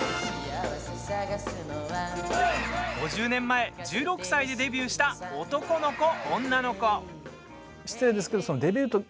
５０年前、１６歳でデビューした「男の子女の子」。